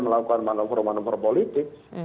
melakukan manuver manuver politik